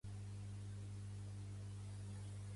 El seu cognom és Corujo: ce, o, erra, u, jota, o.